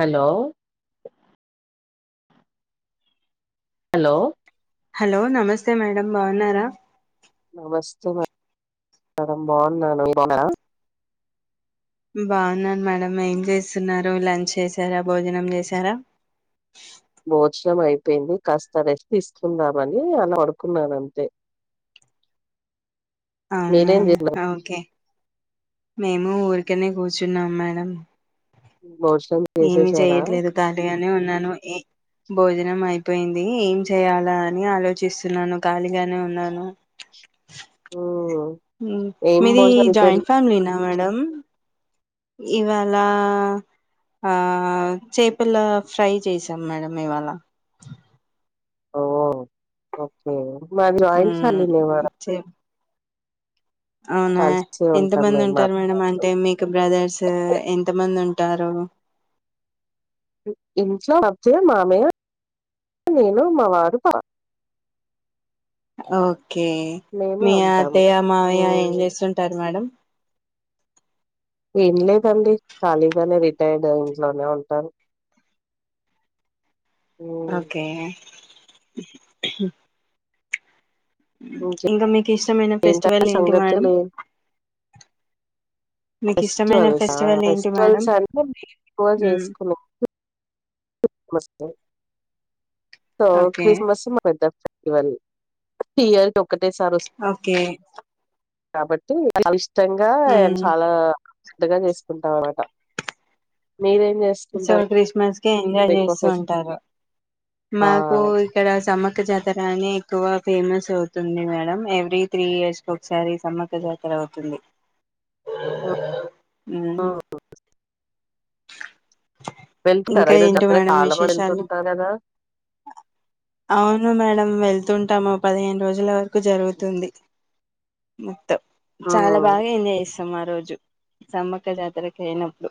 Hello hello hello నమస్తే madam బాగున్నారా నమస్తే మే మేడం బాన్ బాన్నారా బాగున్నాను మేడమ్ ఏం చేస్తున్నారు లంచ్ చేశారా భోజనం చేశారా బహుత్ కమయ అయిపోయింది కస్తారేస్ట్ తీసుకుందామని అలా అడుకున్నాను అంతే అవునా మీరేం చేసినారు ఓకే మేము ఊరి క్కనే కూర్చున్నాం మేడం భోజనం ఏమి చేసేసారా చేయట్లేదు ఖాళీగానే ఉన్నాను ఏ భోజనం అయి పోయింది ఏం చేయాలా అని ఆలోచిస్తున్నాను ఖాళీగానే ఉన్నాను ఓహో మీది జాయింట్ ఫ్యామిలీనా మేడం ఇవాళ ఆ చేపల ఫ్రై చేసాం మేడమ్ ఇవాళ ఓ ఓకే మాది రైస్ మ్, వండింది ఇవాళ చే అవునా కలిసే ఎంత ఉంటాం మంది మేము మా ఉంటారు మేడం అంటే మీకు బ్రదర్స్ ఎంత మంది ఉన్ టారు ఇంట్లో అత్తయ్య మామయ్య నేను మావారు ఓకే మేమే మీ ఉంటాము అత్తయ్య మావయ్య ఏం ఉమ్ చేస్తుంటారు మేడం ఏం లేదండి ఖాళీగానే రిటైర్డ్ ఇంట్లోనే ఉంటారు అ ఓకే ఇంకా మీకు ఇష్టమైన ఫెస్టివల్ ఏంటంటే ఏంటి మేడం సంగతులు మీకు ఇష్టమైన ఫెస్టివల్స్ ఫెస్టివల్ ఏంటి మేడం ఫెస్టివల్స్ అంటే ఎక్కువ మ్మ్ చేసుకున్నాం నస్తే ఓకే క్రిస్మస్ మద్ద ఫేర్వెల్ ప్రతి ఇయర్ ఒకటేసారి వస్తుంది ఓకే కాబట్టి చాలా ఇష్టంగా మ్మ్ చాలా పెద్దగా చేసుకుంటాం అన్మాట మీరేం సో చేసుకుంటారు క్రిస్మస్ ఎంజాయ్ చేస్తూ ఎక్కువ ఉంటారు ఆ మాకు ఇక్కడ సమ్మక్క జాతర అని ఎక్కువ ఫేమస్ అవుతుంది మేడం ఎవ్రీ త్రీ ఇయర్స్ కి ఒకసారి సమ్మక్క జాతర అవుతుంది ఉ వెళ్తుంటారా ఇంకా ఈరోజు ఏంటి జాతర మేడం చాలా మంది విశేషాలు వెళ్తుంటారు కదా అవును మేడం వెళ్ తుంటాము పదిహేను రోజుల వరకు జరుగుతుంది త్ చాలా ఉమ్, బాగా ఎంజాయ్ చేస్తాం ఆ రోజు సమ్మక్క జాతరకు ఏనప్పుడు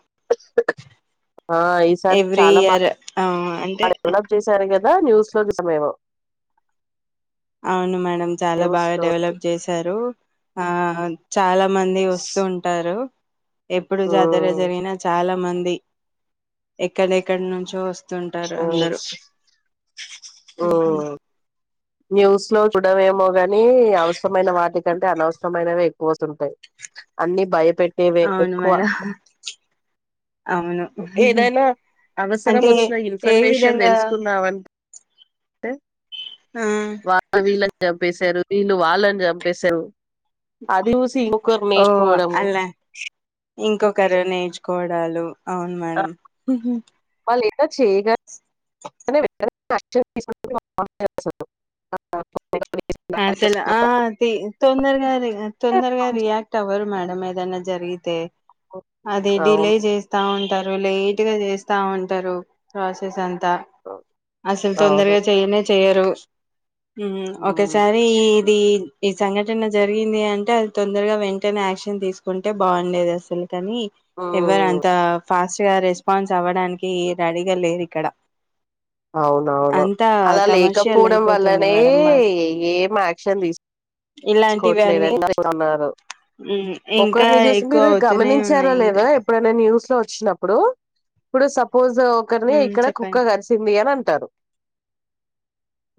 ఆ ఈసారి ఎవ్రీ చాలా ఇయర్ ఆ అంటే బాగా డెవలప్ చేశారు క దా న్యూస్లో చూసాం మేము అవును మేడం చాలా న్యూస్ బాగా లో డెవలప్ చేశారు ఆ చాలా మంది వస్తూ ఉంటారు ఎప్పుడు జాతర ఉమ్ జరిగినా చాలా మంది ఎక్కడెక్కడి నుంచో వస్ వస్తుంటారు ఉమ్ అందరు ఉమ్ న్యూస్ లో చూడవేమో గాని అవసరమైన వాటికంటే అనవసరమైనవి ఎక్కువ వస్ తుంటాయి అన్ని భయపెట్ అవును మేడం అవును ఏదైనా అవసరం అంటే వచ్చిన ఏ ఇన్ఫర్మేషన్ విధంగా తెలుసుకుందామని టె ఆ వాలు విల్లన్ చంపేశారు వీళ్ళు వాళ్ళని చంపేశారు అది చూసి ఇంకొకరు ఓ నేర్చుకోవడము అలా ఇంకొకరు నేర్చుకోవడాలు అవును మేడం వాళ్ళు ఎటొచ్చి క్ష అసలు ఆ అది తొందరగా తొందరగా రియాక్ట్ అవ్వరు మేడం ఏదనా జరిగి అయితే అది డిలే అవును చేస్తా ఉ ఉంటారు లేట్ గా చేస్తా ఉంటారు ప్రాసెస్ అం త అసలు అవును తొందరగా చెయనే చెయరు ఉమ్ ఒకసారి ఇది ఈ సంఘటన జరిగింది అంటే అది తొందరగా వెంటనే యాక్షన్ తీసుకుంటే బాగుండేది అసలు కానీ ఎవరు ఉమ్ అంత ఫాస్ట్గా రెస్పాన్స్ అవ్వడానికి రడిగా లేరీక్కడ అవునవును అలా కమర్షియల్ లేకపోవడం అయిపోతుంది వల్లనే మేడం మ ఏం యాక్షన్ తీసు ఇలాంటివన్నీ తీసుకోట్లేదనిన్నారు మ్ ఇంకా ఒకరిని చూసి ఎక్కువ మీరు అవుతూనే గమనించారో ఉన్నాయి లేదో ఇంకా ఎప్పుడైనా న్యూస్ వచ్చినప్పుడు ఇప్పుడు సపోజ్ ఒకరిని మ్ ఇక్కడ కుక్క చెప్పండి కరిసింది అని టరు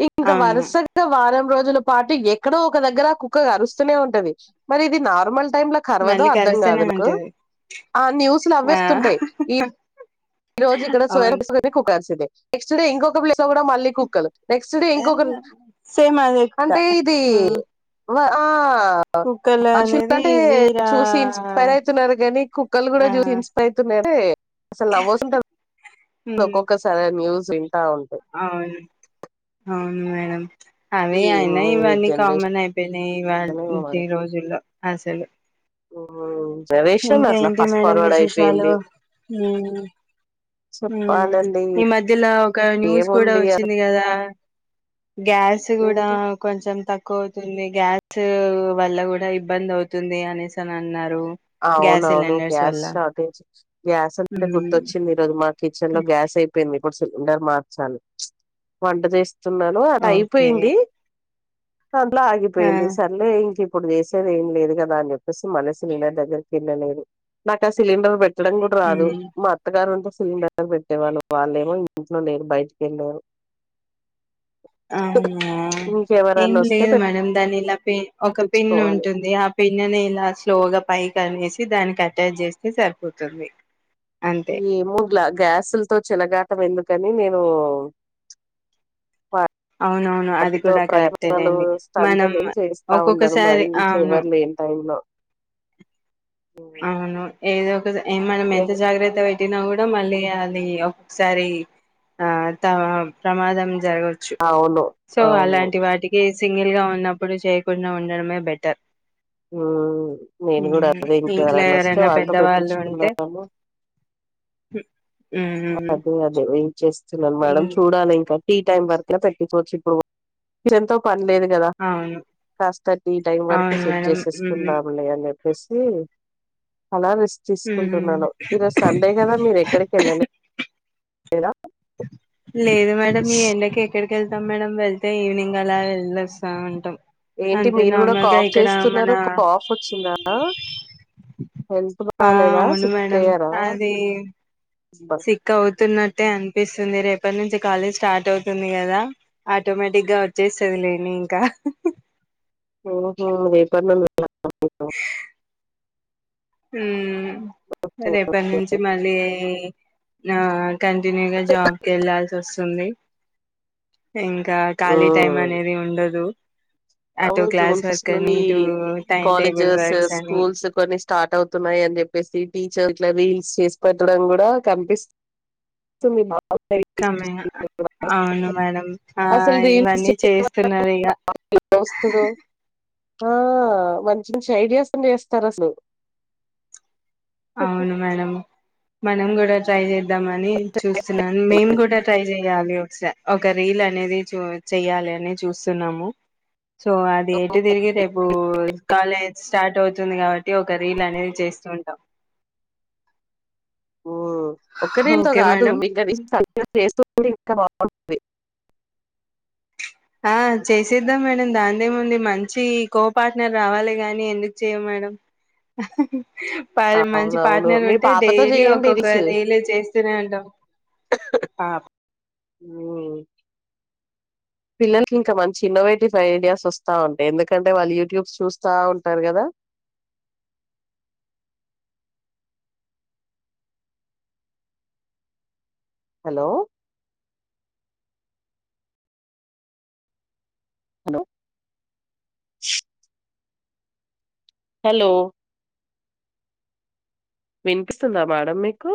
ఇంక అవును వరుసగా వారం రోజుల పాటు ఎక్కడో ఒక దగ్గర కుక్క కరుస్తూనే ఉంటది మరి ఇది నార్మల్ టైం లో కరవదొ మళ్ళీ అర్థం కాదు కరుస్తూనే నాకు ఉంటది ఆ న్యూస్ల ఆ అవ్వేస్తుంటాయి ఈ ఈ రోజు ఇక్కడ అవును సోయాసు కుక్క కరిసింది నెక్స్ట్ డే ఇంకొక ప్లేస్ లో కూడా మళ్ళీ కుక్కలు నెక్స్ట్ డే ఇంకొకరు సేమ్ అదే కుక్క అంటే ఇది ఆ వ్ ఆ కుక్కలు మనుషులు అనేది అంటే వీరా చూసి ఇన్స్పైర్ అవుతున్నారు కానీ కుక్కలు కూడా ఆ చూసి ఇన్స్పైర్ అవుతున్నాయ్ టే అసలు నవ్వు వస్తుంది తెల్ మ్ ఒక్కొక్కసారి న్యూస్ ఇం అవును అవును మేడం అవే ఈ అయినా మీ ఇవన్నీ జనరేషన్ కామన్ అయిపోయినాయి ఏమో ఇవాల్టి రోజుల్లో అసలు మ్ ఇంకా ఏంటి మేడం విశేషాలు మ్ చెప్పాలండి ఈ మధ్యల ఒక న్యూస్ కూడా ఏముంది వచ్చింది కదా గ్యాస్ కూడా ఏంటి కొంచెం తక్ క్కువ అవుతుంది గ్యాస్ వల్ల కూడా ఇబ్బంది అవుతుంది అనేసి అని అన్నారు గ్యాస్ అవునవును సిలిండర్స్ గ్యాస్ వల్ల షార్టేజ్ గ్యాస్ అంటే హ్మ్. గుర్తొచ్చింది ఈరోజు మా కిచెన్ లో గ్యాస్ అయిపోయింది ఇప్పుడు సిలిండర్ మార్చాలి వంట చేస్ తున్నాను అటు ఓకే అయిపోయింది దాంట్ల ఆ ఆగిపోయింది సర్లే ఇంక ఇప్పుడు చేసేది ఏం లేదు కదా అని చెప్పేసి మళ్ళసిలిర్ దగ్గరికెల్లాలేదు నాకు ఆ సిలిండర్ పెట్టడం కూడా రాదు హ్మ్. మా అత్తగారంటే సిలిండర్ పెట్టేవాళ్ళు వాళ్ళేమో ఇంట్లో లేరు బయటికి వెళ్ళారు అవునా ఏం ఇంకెవరన్నా వస్తే లేదు మేడం దాని ఇలా పె ఒక పెన్ పెట్టించుకోవాలి ఉంటుంది ఆ పిన్నును ఇలా స్లోగా పై కనేసి దానికి అటాచ్ చేస్తే సరిపోతుంది అంతే ఏమో గ్యాసులతో చేలట్ టం ఎందుకని నేను ఆ అవునవును అది వాటితో కూడా కరెక్టే ప్రయోగాలు లేండి స్టంత్ మనం చేస్తా ఉన్నారు మరి ఒక్కొక్కసారి ఇంట్ల అవును ఎవరులేరు టైం లో అవును ఏదో ఒక మనం ఎంత జాగ్రత్త వ్ ట్టినా కూడా మళ్ళీ అది ఒక్కొక్కసారి ఆ త ప్రమాదం జరగోచ్చు అవును సో అవును అలాంటి వాటికి సింగిల్ గా ఉన్నప్పుడు చేయకుండా ఉండడమే బెటర్ మ్ నేను కూడా హ్మ్. అదే ఇం ఇంట్లో కేవరన్న వస్తే ఎవరైనా వాళ్ళతో పెట్టించుకున్నాము హ అదే అదే వెట్ చేస్తున్నాను ఇం మేడం చూడాలి ఇంకా టీ టైమ్ వరకు కుడా పెట్టుపోవచ్చు ఇప్పుడు కిచన్ తో పని లేదు కదా అవును కాస్త టైం వరకు అవును సెట్ మేడం హ్మ్. చేసేసుకుందాంలే అని చెప్పేసి అలా రెస్ట్ హ్మ్. తీసుకుంటున్నాను ఈ రోజు సండే కదా మీరు ఎక్కడికి వెళ్ళ లే లేద లేదు మేడమ్ ఈ ఎండకి ఎక్కడికి వెళ్తాం మేడం వెళ్తే ఈవినింగ్ అలా వెళ్ళొస్తాం ఉంటాం ఏంటి అంతే మీరు కూడా నార్మల్గా కాఫ్ ఇక్కడ మన చేస్తున్నారు కాఫ్ వచ్చిందా హెల్త్ ఆ బాలేదా అవును సిక్ మేడం అయ్యారా అది సిక్ అవుతున్నట్ ట్టే అనిపిస్తుంది రేపటి నుంచి కాలేజ్ స్టార్ట్ అవుతుంది కదా ఆటోమేటిక్ గా వచ్చేస్తుది లేని ఇంకా మ్ హు రేపటి నుండి ఉందా మీకు మ్ రేపటి నుంచి మళ్ళీ ఆ కంటిన్యూగా జాబ్కి వెళ్ళస్ ంది ఇంకా ఖాళీ టైం అనేది ఉండదు అటు అవును క్లాస్ జూన్ ఫస్ట్ వర్క్ అని నుని ఇటు టైమ్ టేబుల్ కాలేజెస్, వర్క్స్ అని స్కూల్స్ కొన్ని స్టార్ట్ అవు వత్తున్నాయ్ అని చెప్పేసి టీచర్లా రీల్స్ చేసి పెట్టడం కూడా కనిపిస్తంది కమె అవును మేడం ఆ అసలు ఇవన్నీ చేస్తున్నారు ఇగ దోస్తుతో ఆ మంచి మంచి ఐడియాస్ చేస్తారు అసలు అవును మేడం మనం కూడా ట్రై చే ద్దామని చూస్తున్నాను మేం కూడా ట్రై చెయాలి ఒక స ఒక రీల్ నేది చూ చెయ్యాలి అని చూస్తున్నాము. సో అది ఎటు తిరిగి రేపు కాలేజ్ స్టార్ట్ అవుతుంది కాబ ట్టి ఒక రీళ్లు అనేది చేస్తూ ఉంటాం ఊ ఒక్కరీళ్ళతో ఓకే కాదు మేడం మీకది నీ ఇంక బావుంది ఆ చేసేద్దాం మేడం దాందేముందు మంచి కో పార్ట్నర్ రావాలి గాని ఎందుకు చేయమ మేడం ఆహ్ ప మంచి అవునవును పార్ట్నర్ మీ ఉంటే పాపతో డైలీ చేయండి ఒక్కొక్క రీల్స్ రీల్ చేస్తూనే ఉంటాం. ఆబ్ అ పిల్లలకి ఇంకా మంచి ఇన్నోవేటివ్ ఐడియాస్ వస్తా ఉంటాయి. ఎందుకంటే వాళ్ళు యూట్యూబ్స్ చూస్తా ఉంటారు కదా హలో హలో హలో వినిపిస్తుందా మేడం మీకు?